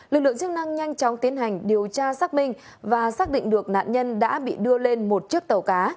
lực lượng chức năng nhanh chóng tiến hành điều tra xác minh và xác định được nạn nhân đã bị đưa lên một chiếc tàu cá